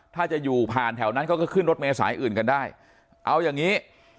ถ้าจะอยู่ผ่านแถวนั้นเขาก็ขึ้นรถเมษายอื่นกันได้เอาอย่างงี้